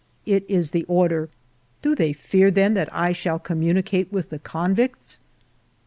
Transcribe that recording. It is the order. Do they fear, then, that I shall communicate with the convicts